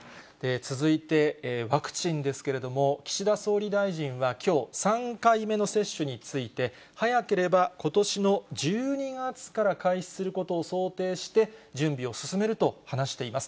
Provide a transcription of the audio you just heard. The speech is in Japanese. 続いてワクチンですけれども、岸田総理大臣はきょう、３回目の接種について、早ければことしの１２月から開始することを想定して、準備を進めると話しています。